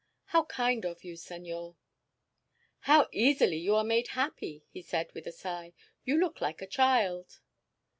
How kind of you, senor!" "How easily you are made happy!" he said, with a sigh. "You look like a child."